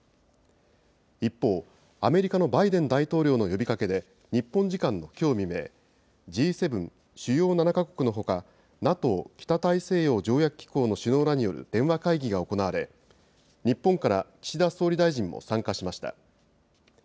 一方、アメリカのバイデン大統領の呼びかけで、日本時間のきょう未明、Ｇ７・主要７か国のほか、ＮＡＴＯ・北大西洋条約機構の首脳らによる電話会議が行われ、日本から岸田総理大臣も参加しました。